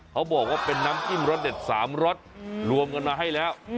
เขาบอกว่าเป็นน้ำจิ้มรสเด็ด๓รสรวมกันมาให้แล้ว